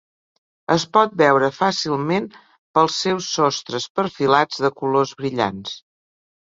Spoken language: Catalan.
Es pot veure fàcilment pels seus sostres perfilats de colors brillants.